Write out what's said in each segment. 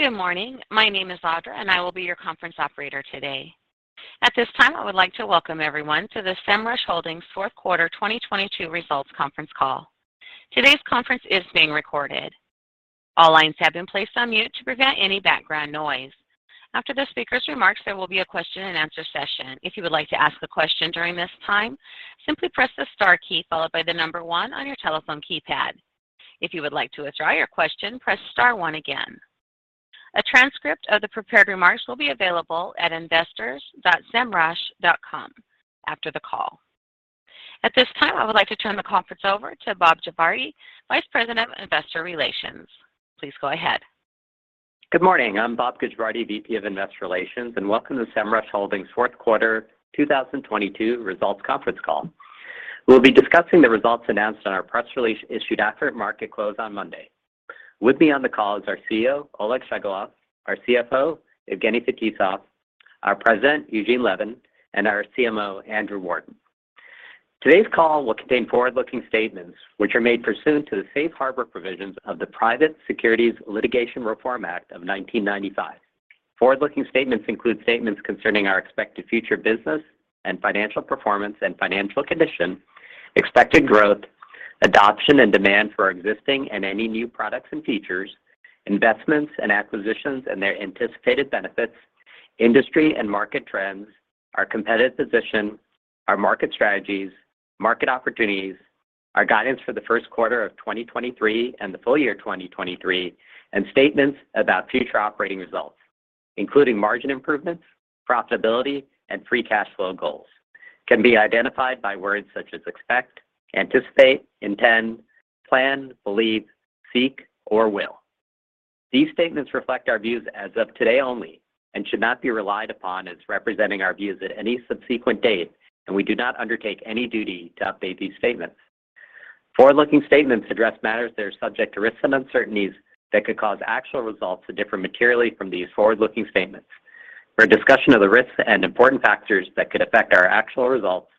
Good morning. My name is Audra. I will be your conference operator today. At this time, I would like to welcome everyone to the Semrush Holdings Fourth Quarter 2022 Results Conference Call. Today's conference is being recorded. All lines have been placed on mute to prevent any background noise. After the speaker's remarks, there will be a Q&A session. If you would like to ask a question during this time, simply press the star key followed by one on your telephone keypad. If you would like to withdraw your question, press star one again. A transcript of the prepared remarks will be available at investors.semrush.com after the call. At this time, I would like to turn the conference over to Bob Gujavarty, vice president of investor relations. Please go ahead. Good morning. I'm Bob Gujavarty, VP of Investor Relations, Welcome to Semrush Holdings Fourth Quarter 2022 Results Conference Call. We'll be discussing the results announced on our press release issued after market close on Monday. With me on the call is our CEO, Oleg Shchegolev; our CFO, Evgeny Fetisov; our President, Eugene Levin; and our CMO, Andrew Warden. Today's call will contain forward-looking statements which are made pursuant to the Safe Harbor provisions of the Private Securities Litigation Reform Act of 1995. Forward-looking statements include statements concerning our expected future business and financial performance and financial condition, expected growth, adoption and demand for our existing and any new products and features, investments and acquisitions and their anticipated benefits, industry and market trends, our competitive position, our market strategies, market opportunities, our guidance for the Q1 of 2023 and the full year 2023, and statements about future operating results, including margin improvements, profitability and free cash flow goals, can be identified by words such as expect, anticipate, intend, plan, believe, seek, or will. These statements reflect our views as of today only and should not be relied upon as representing our views at any subsequent date, and we do not undertake any duty to update these statements. Forward-looking statements address matters that are subject to risks and uncertainties that could cause actual results to differ materially from these forward-looking statements. For a discussion of the risks and important factors that could affect our actual results,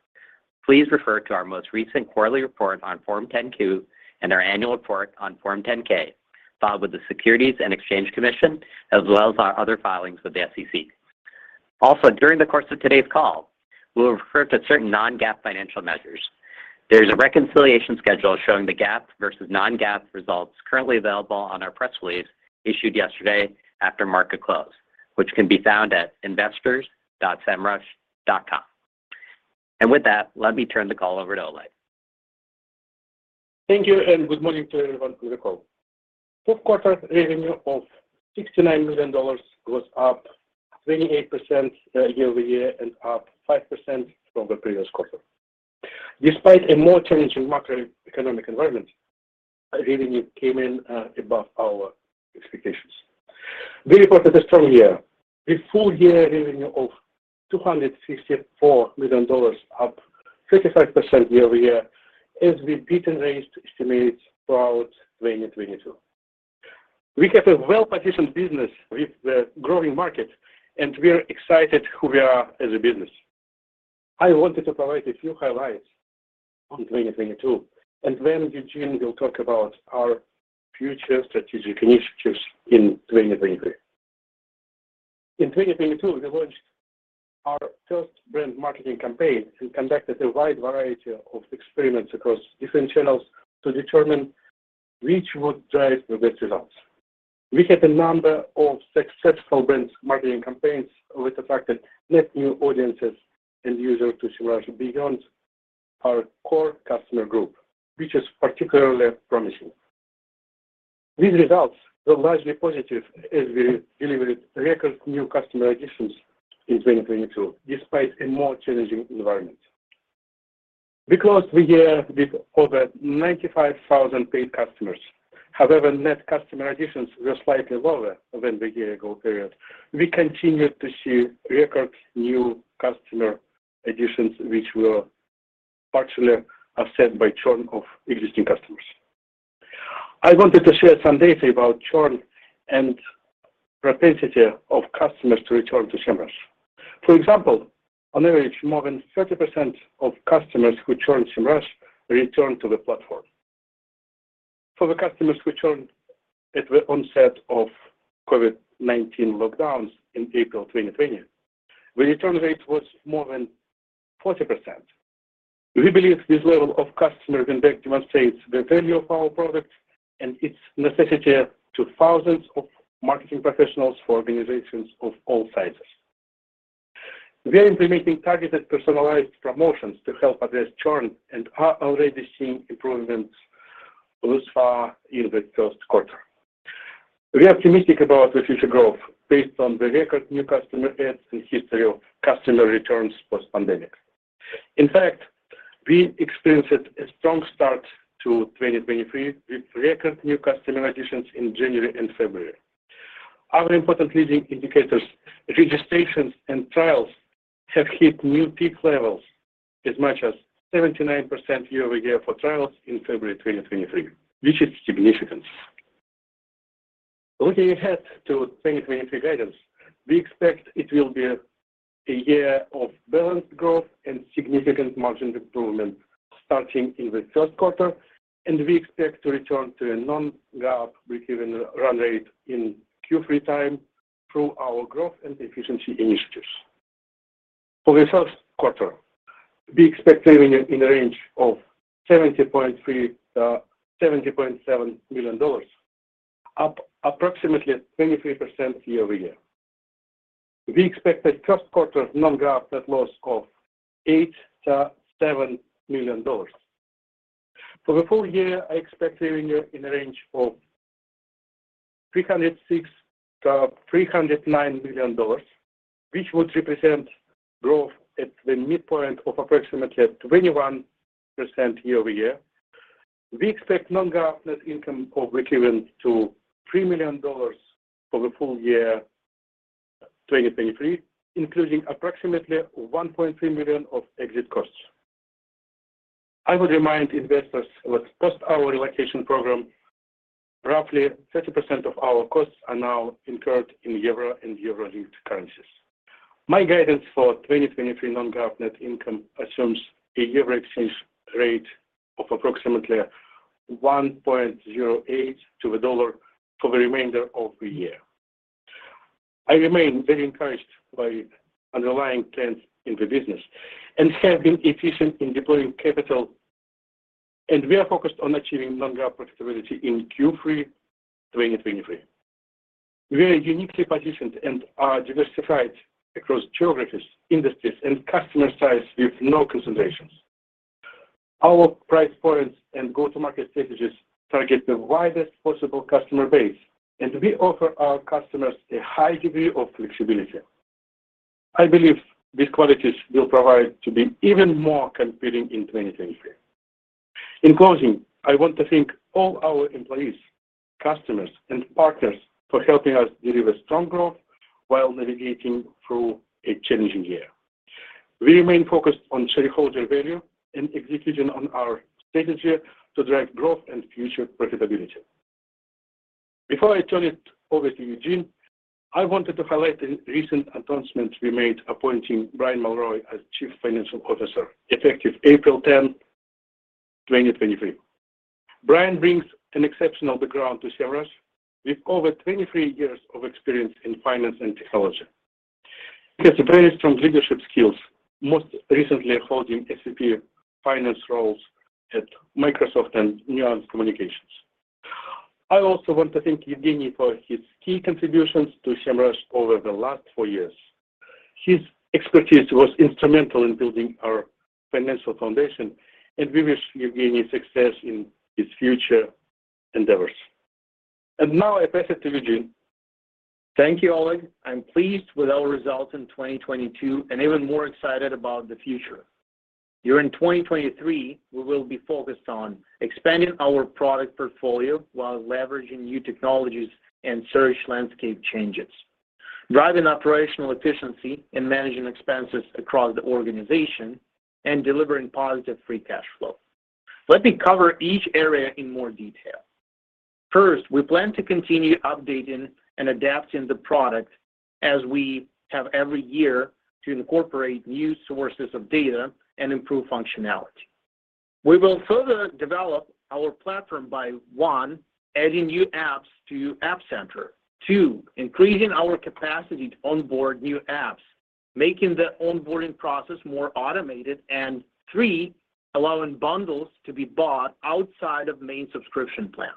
please refer to our most recent quarterly report on Form 10-Q and our annual report on Form 10-K filed with the Securities and Exchange Commission, as well as our other filings with the SEC. Also, during the course of today's call, we will refer to certain non-GAAP financial measures. There is a reconciliation schedule showing the GAAP versus non-GAAP results currently available on our press release issued yesterday after market close, which can be found at investors.semrush.com. With that, let me turn the call over to Oleg. Thank you. Good morning to everyone on the call. Q4 revenue of $69 million was up 28% year-over-year and up 5% from the previous quarter. Despite a more challenging macroeconomic environment, our revenue came in above our expectations. We reported a strong year with full-year revenue of $254 million, up 35% year-over-year as we beat and raised estimates throughout 2022. We have a well-positioned business with a growing market. We are excited who we are as a business. I wanted to provide a few highlights on 2022. Then Eugene will talk about our future strategic initiatives in 2023. In 2022, we launched our first brand marketing campaign and conducted a wide variety of experiments across different channels to determine which would drive the best results. We had a number of successful brand marketing campaigns, which attracted net new audiences and users to Semrush beyond our core customer group, which is particularly promising. These results were largely positive as we delivered record new customer additions in 2022 despite a more challenging environment. We closed the year with over 95,000 paid customers. However, net customer additions were slightly lower than the year-ago period. We continued to see record new customer additions, which were partially offset by churn of existing customers. I wanted to share some data about churn and propensity of customers to return to Semrush. For example, on average, more than 30% of customers who churn Semrush return to the platform. For the customers who churned at the onset of COVID-19 lockdowns in April 2020, the return rate was more than 40%. We believe this level of customer comeback demonstrates the value of our product and its necessity to thousands of marketing professionals for organizations of all sizes. We are implementing targeted personalized promotions to help address churn and are already seeing improvements thus far in the Q1. We are optimistic about the future growth based on the record new customer adds and history of customer returns post-pandemic. In fact, we experienced a strong start to 2023 with record new customer additions in January and February. Other important leading indicators, registrations and trials have hit new peak levels as much as 79% year-over-year for trials in February 2023, which is significant. Looking ahead to 2023 guidance, we expect it will be a year of balanced growth and significant margin improvement starting in the Q1, and we expect to return to a non-GAAP recurring run rate in Q3 time through our growth and efficiency initiatives. For the Q1, we expect revenue in the range of $70.3 million-$70.7 million, up approximately 23% year-over-year. We expect a Q1 non-GAAP net loss of $8 million-$7 million. For the full year, I expect revenue in the range of $306 million-$309 million, which would represent growth at the midpoint of approximately 21% year-over-year. We expect non-GAAP net income or recurring to $3 million for the full year 2023, including approximately $1.3 million of exit costs. I would remind investors that post our relocation program, roughly 30% of our costs are now incurred in EUR and EUR-linked currencies. My guidance for 2023 non-GAAP net income assumes a EUR exchange rate of approximately 1.08 to the $ 1 for the remainder of the year. I remain very encouraged by underlying trends in the business and have been efficient in deploying capital, and we are focused on achieving non-GAAP profitability in Q3 2023. We are uniquely positioned and are diversified across geographies, industries, and customer size with no concentrations. Our price points and go-to-market strategies target the widest possible customer base, and we offer our customers a high degree of flexibility. I believe these qualities will provide to be even more competing in 2023. In closing, I want to thank all our employees, customers, and partners for helping us deliver strong growth while navigating through a challenging year. We remain focused on shareholder value and execution on our strategy to drive growth and future profitability. Before I turn it over to Eugene, I wanted to highlight a recent announcement we made appointing Brian Mulroy as Chief Financial Officer, effective April 10, 2023. Brian brings an exceptional background to Semrush with over 23 years of experience in finance and technology. He has a very strong leadership skills, most recently holding SAP finance roles at Microsoft and Nuance Communications. I also want to thank Evgeny for his key contributions to Semrush over the last four years. His expertise was instrumental in building our financial foundation. We wish Evgeny success in his future endeavors. Now I pass it to Eugene. Thank you, Oleg. I'm pleased with our results in 2022 and even more excited about the future. During 2023, we will be focused on expanding our product portfolio while leveraging new technologies and search landscape changes, driving operational efficiency and managing expenses across the organization, delivering positive free cash flow. Let me cover each area in more detail. First, we plan to continue updating and adapting the product as we have every year to incorporate new sources of data and improve functionality. We will further develop our platform by, one, adding new apps to App Center. Two, increasing our capacity to onboard new apps, making the onboarding process more automated. Three, allowing bundles to be bought outside of main subscription plans.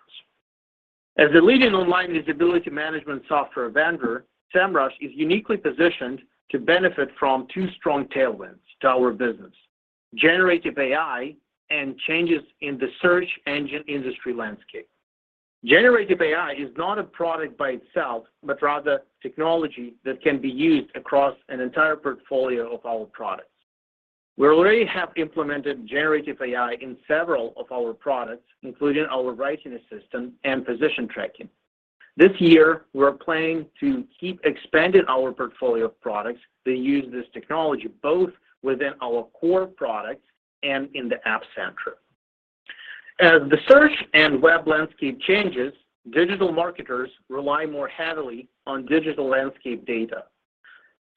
As a leading online visibility management software vendor, Semrush is uniquely positioned to benefit from two strong tailwinds to our business: generative AI and changes in the search engine industry landscape. Generative AI is not a product by itself, but rather technology that can be used across an entire portfolio of our products. We already have implemented generative AI in several of our products, including our Writing Assistant and Position Tracking. This year, we're planning to keep expanding our portfolio of products that use this technology, both within our core products and in the App Center. As the search and web landscape changes, digital marketers rely more heavily on digital landscape data.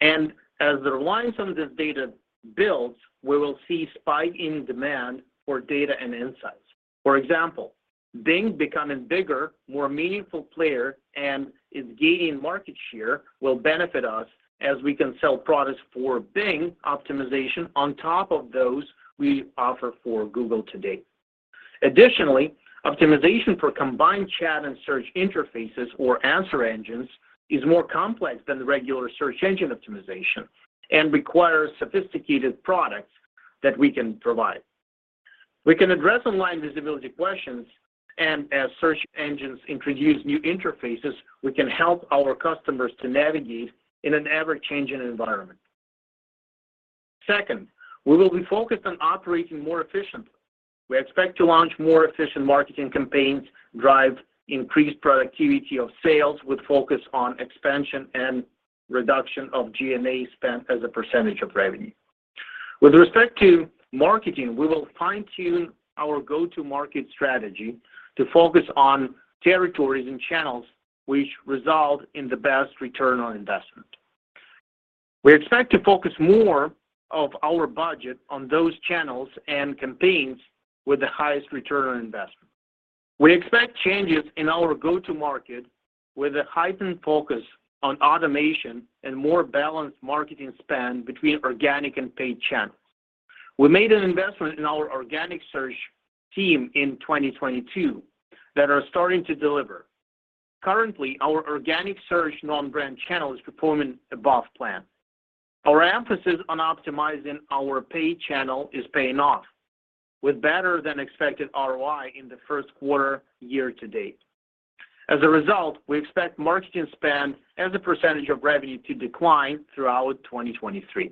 As the reliance on this data builds, we will see spike in demand for data and insights. For example, Bing becoming bigger, more meaningful player, and is gaining market share will benefit us as we can sell products for Bing optimization on top of those we offer for Google today. Optimization for combined chat and search interfaces or answer engines is more complex than the regular search engine optimization and requires sophisticated products that we can provide. As search engines introduce new interfaces, we can help our customers to navigate in an ever-changing environment. Second, we will be focused on operating more efficiently. We expect to launch more efficient marketing campaigns, drive increased productivity of sales with focus on expansion and reduction of G&A spent as a percentage of revenue. With respect to marketing, we will fine-tune our go-to-market strategy to focus on territories and channels which result in the best return on investment. We expect to focus more of our budget on those channels and campaigns with the highest return on investment. We expect changes in our go-to market with a heightened focus on automation and more balanced marketing spend between organic and paid channels. We made an investment in our organic search team in 2022 that are starting to deliver. Currently, our organic search non-brand channel is performing above plan. Our emphasis on optimizing our paid channel is paying off with better-than-expected ROI in the Q1 year to date. As a result, we expect marketing spend as a percentage of revenue to decline throughout 2023.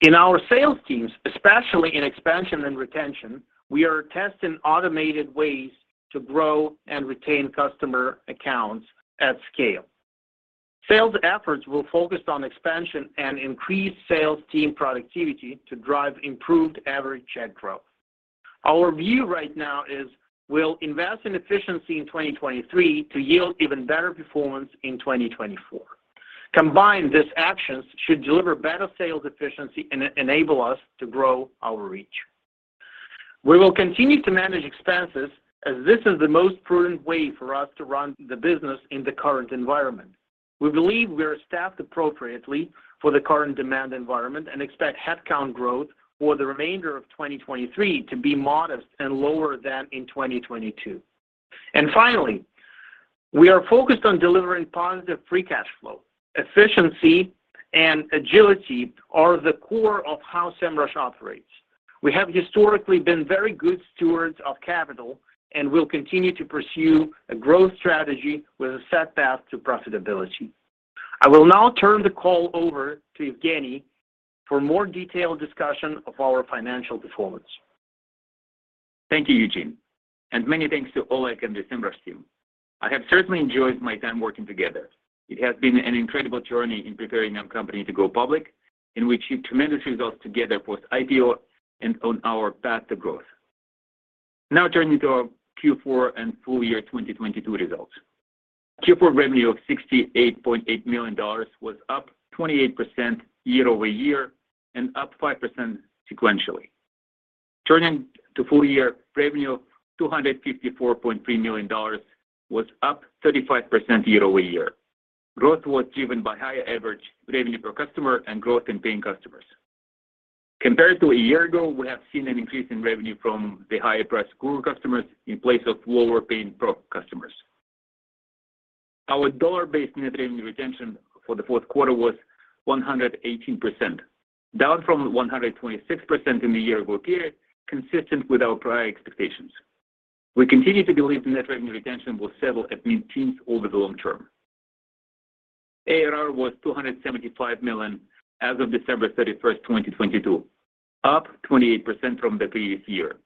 In our sales teams, especially in expansion and retention, we are testing automated ways to grow and retain customer accounts at scale. Sales efforts will focus on expansion and increase sales team productivity to drive improved average check growth. Our view right now is we'll invest in efficiency in 2023 to yield even better performance in 2024. Combined, these actions should deliver better sales efficiency and e-enable us to grow our reach. We will continue to manage expenses as this is the most prudent way for us to run the business in the current environment. We believe we are staffed appropriately for the current demand environment and expect headcount growth for the remainder of 2023 to be modest and lower than in 2022. Finally, we are focused on delivering positive free cash flow. Efficiency and agility are the core of how Semrush operates. We have historically been very good stewards of capital and will continue to pursue a growth strategy with a set path to profitability. I will now turn the call over to Evgeny for more detailed discussion of our financial performance. Thank you, Eugene, and many thanks to Oleg and the Semrush team. I have certainly enjoyed my time working together. It has been an incredible journey in preparing our company to go public and we achieved tremendous results together, post-IPO and on our path to growth. Turning to our Q4 and full year 2022 results. Q4 revenue of $68.8 million was up 28% year-over-year and up 5% sequentially. Turning to full year revenue, $254.3 million was up 35% year-over-year. Growth was driven by higher average revenue per customer and growth in paying customers. Compared to a year ago, we have seen an increase in revenue from the higher-priced Guru customers in place of lower-paying Pro customers. Our dollar-based net revenue retention for the Q4 was 118%, down from 126% in the year-ago period, consistent with our prior expectations. We continue to believe the net revenue retention will settle at mid-teens over the long term. ARR was $275 million as of December 31, 2022, up 28% from the previous year.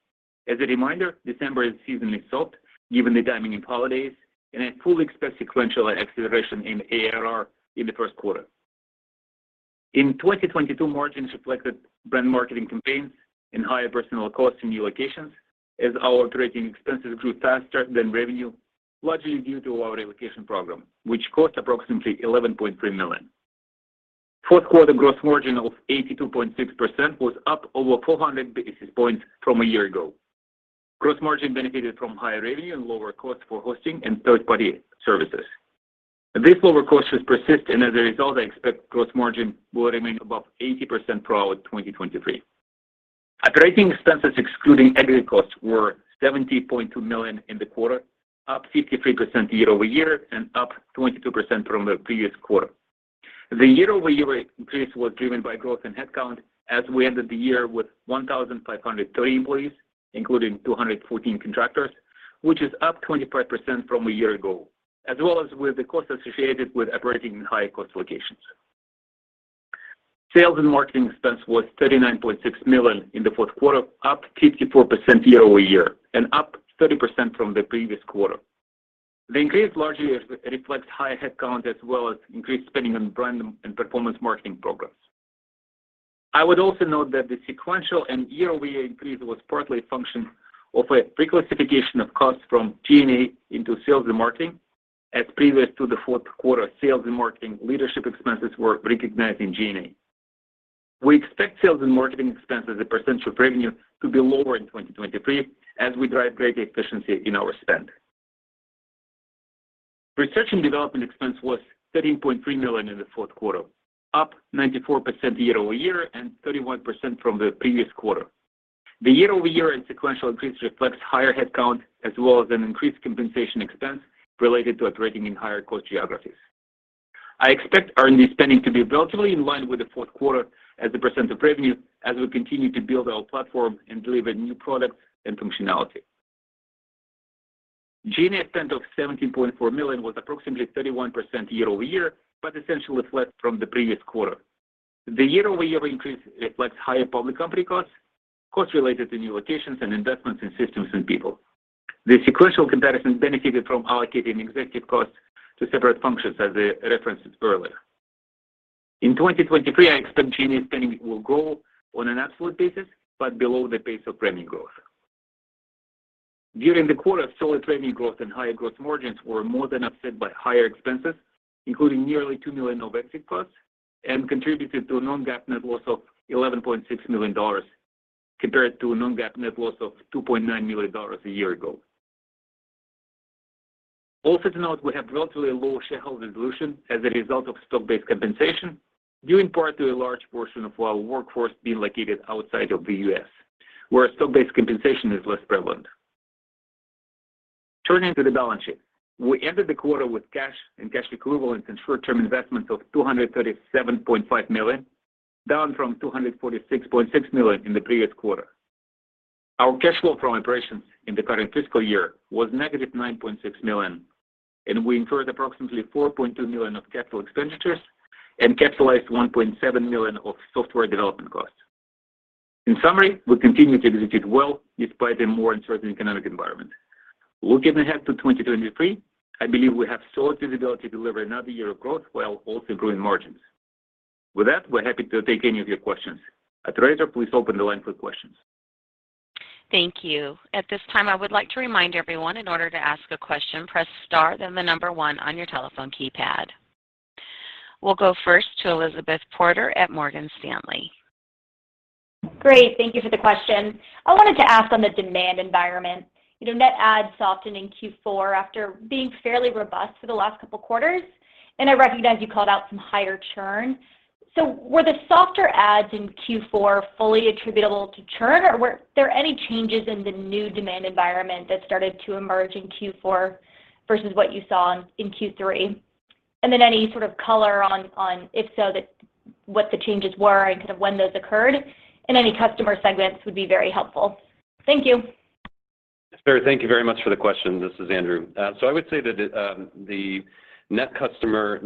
As a reminder, December is seasonally soft given the timing in holidays, and I fully expect sequential acceleration in ARR in the Q1. In 2022, margins reflected brand marketing campaigns and higher personal costs in new locations as our operating expenses grew faster than revenue, largely due to our relocation program, which cost approximately $11.3 million. Fourth quarter gross margin of 82.6% was up over 400 basis points from a year ago. Gross margin benefited from higher revenue and lower costs for hosting and third-party services. These lower costs should persist and as a result, I expect gross margin will remain above 80% throughout 2023. Operating expenses excluding equity costs were $70.2 million in the quarter, up 53% year-over-year and up 22% from the previous quarter. The year-over-year increase was driven by growth in headcount as we ended the year with 1,503 employees, including 214 contractors, which is up 25% from a year ago, as well as with the costs associated with operating in higher cost locations. Sales and marketing expense was $39.6 million in the Q4, up 54% year-over-year and up 30% from the previous quarter. The increase largely reflects higher headcount as well as increased spending on brand and performance marketing programs. I would also note that the sequential and year-over-year increase was partly a function of a reclassification of costs from G&A into sales and marketing, as previous to the Q4, sales and marketing leadership expenses were recognized in G&A. We expect sales and marketing expenses as a % of revenue to be lower in 2023 as we drive greater efficiency in our spend. Research and development expense was $13.3 million in the Q4, up 94% year-over-year and 31% from the previous quarter. The year-over-year and sequential increase reflects higher headcount as well as an increased compensation expense related to operating in higher cost geographies. I expect R&D spending to be relatively in line with the Q4 as a % of revenue as we continue to build our platform and deliver new products and functionality. G&A spend of $17.4 million was approximately 31% year-over-year, essentially flat from the previous quarter. The year-over-year increase reflects higher public company costs related to new locations and investments in systems and people. The sequential comparison benefited from allocating executive costs to separate functions as I referenced earlier. In 2023, I expect G&A spending will grow on an absolute basis, below the pace of revenue growth. During the quarter, solid revenue growth and higher growth margins were more than offset by higher expenses, including nearly $2 million of exit costs and contributed to a non-GAAP net loss of $11.6 million compared to a non-GAAP net loss of $2.9 million a year ago. Also to note, we have relatively low shareholder dilution as a result of stock-based compensation, due in part to a large portion of our workforce being located outside of the U.S. where stock-based compensation is less prevalent. Turning to the balance sheet. We ended the quarter with cash and cash equivalents and short-term investments of $237.5 million, down from $246.6 million in the previous quarter. Our cash flow from operations in the current fiscal year was -$9.6 million, and we incurred approximately $4.2 million of capital expenditures and capitalized $1.7 million of software development costs. In summary, we continue to execute well despite a more uncertain economic environment. Looking ahead to 2023, I believe we have solid visibility to deliver another year of growth while also growing margins. With that, we're happy to take any of your questions. Operator, please open the line for questions. Thank you. At this time, I would like to remind everyone in order to ask a question, press star, then the number one on your telephone keypad. We'll go first to Elizabeth Porter at Morgan Stanley. Great. Thank you for the question. I wanted to ask on the demand environment. You know, net adds softened in Q4 after being fairly robust for the last couple quarters, and I recognize you called out some higher churn. Were the softer adds in Q4 fully attributable to churn or were there any changes in the new demand environment that started to emerge in Q4 versus what you saw in Q3? Then any sort of color on if so that what the changes were and kind of when those occurred and any customer segments would be very helpful. Thank you. Sure. Thank you very much for the question. This is Andrew. I would say that the net customer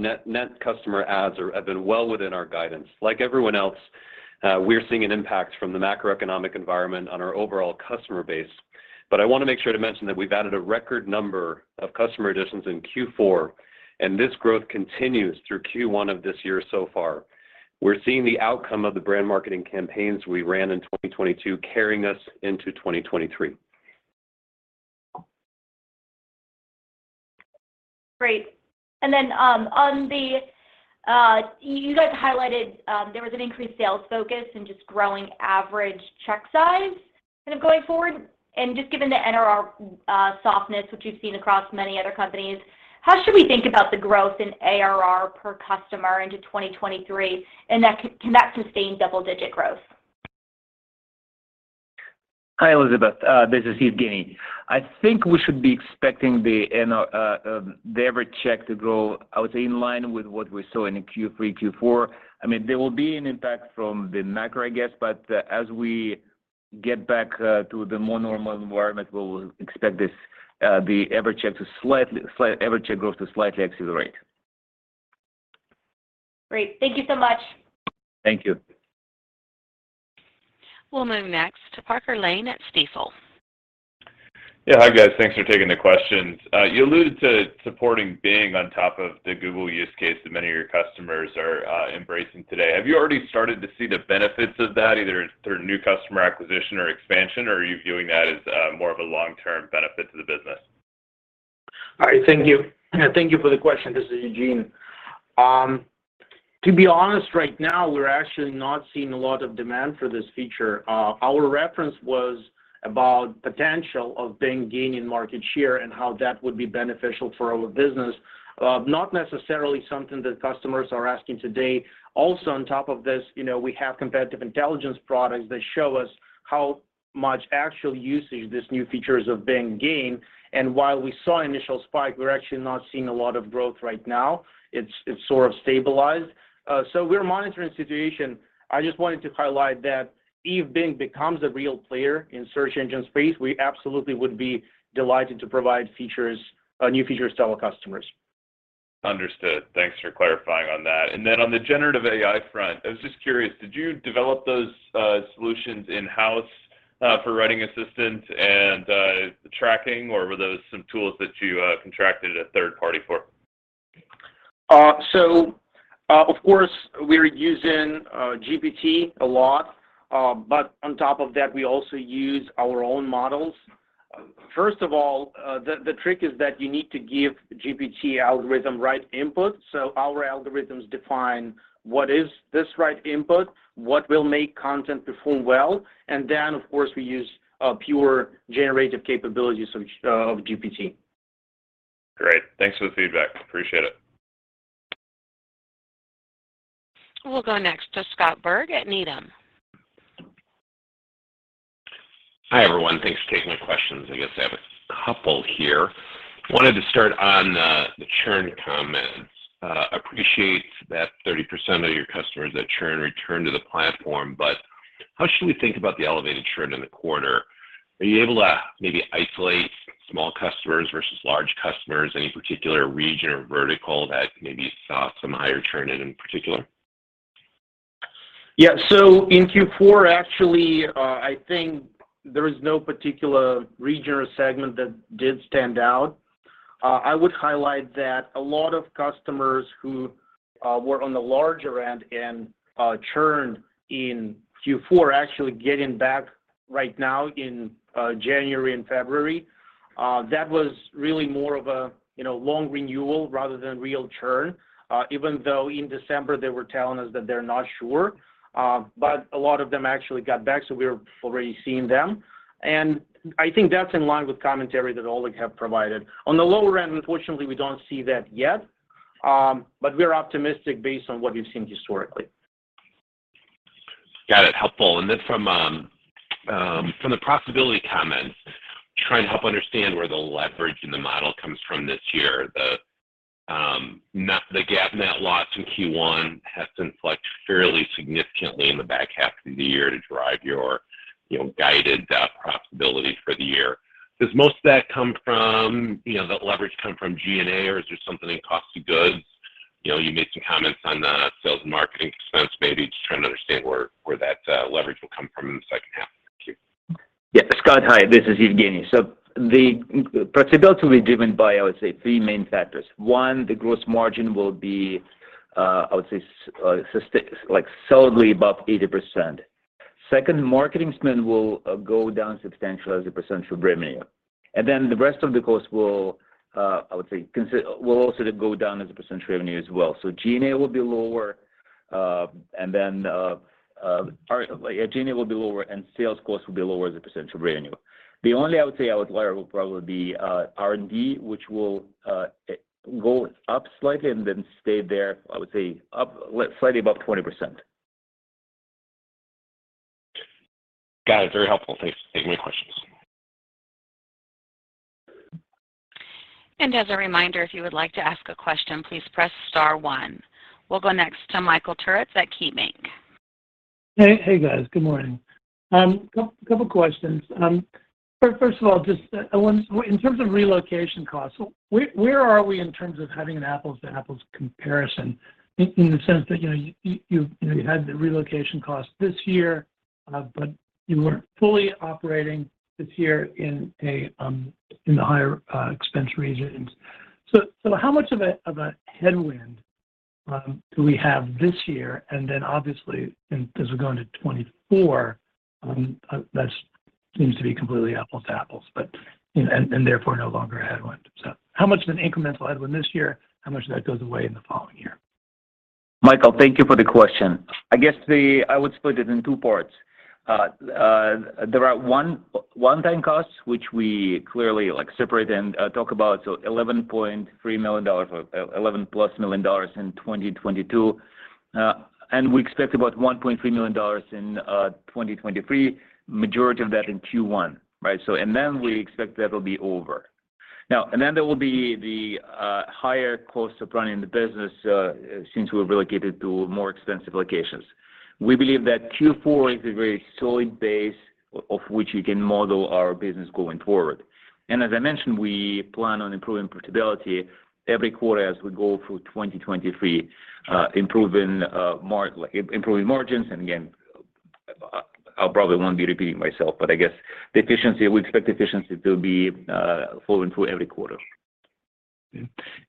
adds have been well within our guidance. Like everyone else, we're seeing an impact from the macroeconomic environment on our overall customer base. I want to make sure to mention that we've added a record number of customer additions in Q4, and this growth continues through Q1 of this year so far. We're seeing the outcome of the brand marketing campaigns we ran in 2022 carrying us into 2023. Great. On the, you guys highlighted, there was an increased sales focus and just growing average check size kind of going forward, just given the NRR softness which we've seen across many other companies, how should we think about the growth in ARR per customer into 2023? Can that sustain double-digit growth? Hi, Elizabeth. This is Evgeny. I think we should be expecting the average check to grow, I would say in line with what we saw in Q3, Q4. I mean, there will be an impact from the macro, I guess. As we get back to the more normal environment, we'll expect this average check growth to slightly accelerate. Great. Thank you so much. Thank you. We'll move next to Parker Lane at Stifel. Hi, guys. Thanks for taking the questions. You alluded to supporting Bing on top of the Google use case that many of your customers are embracing today. Have you already started to see the benefits of that either through new customer acquisition or expansion or are you viewing that as more of a long-term benefit to the business? All right. Thank you. Thank you for the question. This is Eugene. To be honest, right now, we're actually not seeing a lot of demand for this feature. Our reference was about potential of Bing gaining market share and how that would be beneficial for our business. Not necessarily something that customers are asking today. On top of this, you know, we have competitive intelligence products that show us how much actual usage these new features of Bing gain. While we saw initial spike, we're actually not seeing a lot of growth right now. It's sort of stabilized. We're monitoring the situation. I just wanted to highlight that if Bing becomes a real player in search engine space, we absolutely would be delighted to provide features, new features to our customers. Understood. Thanks for clarifying on that. On the generative AI front, I was just curious, did you develop those solutions in-house for Writing Assistant and the Tracking or were those some tools that you contracted a third party for? Of course, we're using GPT a lot, but on top of that, we also use our own models. First of all, the trick is that you need to give GPT algorithm right input. Our algorithms define what is this right input, what will make content perform well, and then, of course, we use pure generative capabilities of GPT. Great. Thanks for the feedback. Appreciate it. We'll go next to Scott Berg at Needham. Hi, everyone. Thanks for taking my questions. I guess I have a couple here. Wanted to start on the churn comments. Appreciate that 30% of your customers that churn return to the platform. How should we think about the elevated churn in the quarter? Are you able to maybe isolate small customers versus large customers, any particular region or vertical that maybe you saw some higher churn in particular? Yeah. In Q4, actually, I think there is no particular region or segment that did stand out. I would highlight that a lot of customers who were on the larger end and churned in Q4 are actually getting back right now in January and February. That was really more of a, you know, long renewal rather than real churn. Even though in December they were telling us that they're not sure. A lot of them actually got back, so we're already seeing them. I think that's in line with commentary that Oleg have provided. On the lower end, unfortunately, we don't see that yet, but we're optimistic based on what we've seen historically. Got it. Helpful. From the profitability comments, trying to help understand where the leverage in the model comes from this year. The GAAP net loss in Q1 has been select fairly significantly in the back half of the year to drive your, you know, guided profitability for the year. Does most of that come from, you know, the leverage come from G&A, or is there something in cost of goods? You know, you made some comments on the sales and marketing expense. Maybe just trying to understand where that leverage will come from in the second half. Thank you. Yeah. Scott, hi, this is Evgeny. The profitability will be driven by, I would say three main factors. One, the gross margin will be like solidly above 80%. Second, marketing spend will go down substantially as a percent of revenue. The rest of the cost will also go down as a percent of revenue as well. G&A will be lower and sales cost will be lower as a percent of revenue. The only I would say outlier will probably be R&D, which will go up slightly and then stay there, I would say up slightly above 20%. Got it. Very helpful. Thanks. for taking my questions. As a reminder, if you would like to ask a question, please press star one. We'll go next to Michael Turits at KeyBanc. Hey, guys. Good morning. Couple questions. First of all, just, in terms of relocation costs, where are we in terms of having an apples-to-apples comparison in the sense that, you know, you had the relocation cost this year, but you weren't fully operating this year in a in the higher expense regions. How much of a headwind do we have this year? Obviously as we go into 2024, that seems to be completely apples to apples, but, you know, and therefore no longer a headwind. How much of an incremental headwind this year? How much of that goes away in the following year? Michael, thank you for the question. I guess I would split it in two parts. There are one-time costs, which we clearly like separate and talk about- $11.3 million or $11 plus million in 2022. We expect about $1.3 million in 2023, majority of that in Q1, right? We expect that'll be over. Now, then there will be the higher costs of running the business since we've relocated to more expensive locations. We believe that Q4 is a very solid base of which we can model our business going forward. As I mentioned, we plan on improving profitability every quarter as we go through 2023, improving margins. Again, I'll probably won't be repeating myself, but I guess the efficiency, we expect efficiency to be, flowing through every quarter.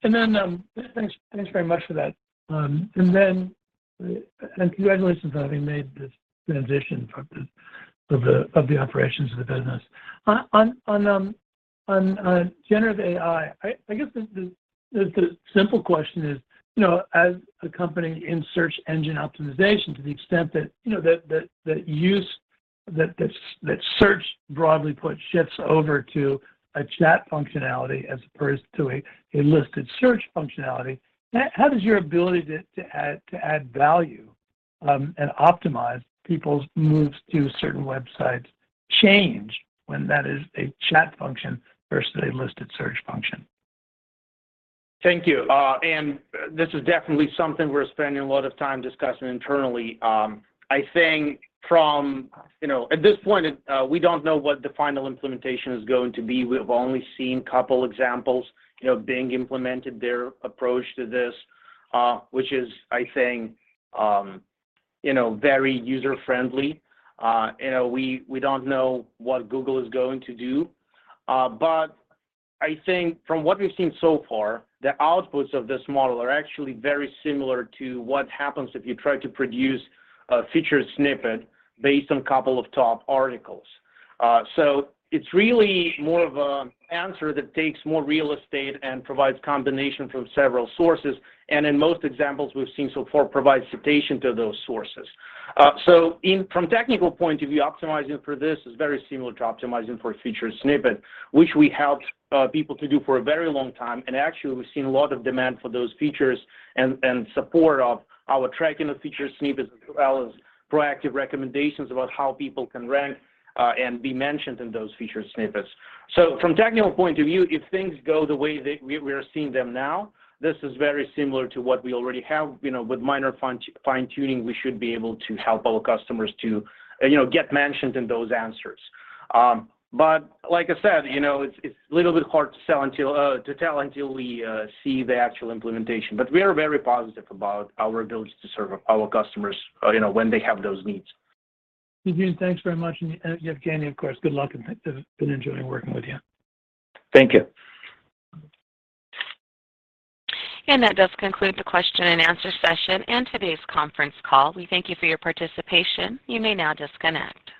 Thanks very much for that. Congratulations on having made this transition of the operations of the business. On generative AI, I guess the simple question is, you know, as a company in search engine optimization, to the extent that, you know, that search, broadly put, shifts over to a chat functionality as opposed to a listed search functionality, how does your ability to add value and optimize people's moves to certain websites change when that is a chat function versus a listed search function? Thank you. This is definitely something we're spending a lot of time discussing internally. I think from, you know, at this point in, we don't know what the final implementation is going to be. We have only seen a couple examples, you know, being implemented, their approach to this, which is, I think, you know, very user-friendly. You know, we don't know what Google is going to do. I think from what we've seen so far, the outputs of this model are actually very similar to what happens if you try to produce a featured snippet based on a couple of top articles. It's really more of a answer that takes more real estate and provides combination from several sources, and in most examples we've seen so far, provides citation to those sources. From technical point of view, optimizing for this is very similar to optimizing for a featured snippet, which we helped people to do for a very long time. Actually, we've seen a lot of demand for those features and support of our tracking of featured snippets as well as proactive recommendations about how people can rank and be mentioned in those featured snippets. From technical point of view, if things go the way that we are seeing them now, this is very similar to what we already have. You know, with minor fine-tuning, we should be able to help our customers to, you know, get mentioned in those answers. But like I said, you know, it's a little bit hard to sell until to tell until we see the actual implementation. We are very positive about our ability to serve our customers, you know, when they have those needs. Eugene, thanks very much. Evgeny, of course, good luck. Been enjoying working with you. Thank you. That does conclude the question and answer session and today's conference call. We thank you for your participation. You may now disconnect.